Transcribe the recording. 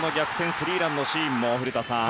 スリーランのシーンも、古田さん